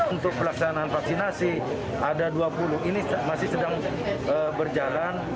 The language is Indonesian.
untuk pelaksanaan vaksinasi ada dua puluh ini masih sedang berjalan